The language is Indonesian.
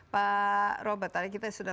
pak robert tadi kita sudah